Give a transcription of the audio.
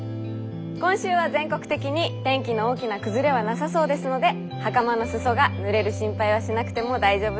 今週は全国的に天気の大きな崩れはなさそうですのではかまの裾がぬれる心配はしなくても大丈夫そうです。